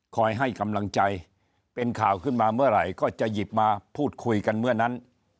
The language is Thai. ให้กำลังใจเป็นข่าวขึ้นมาเมื่อไหร่ก็จะหยิบมาพูดคุยกันเมื่อนั้น